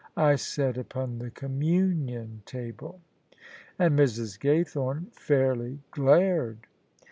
I said upon the Communion Table." And Mrs. Gay thorne fairly glared.